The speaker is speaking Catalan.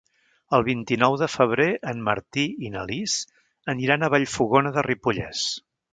El vint-i-nou de febrer en Martí i na Lis aniran a Vallfogona de Ripollès.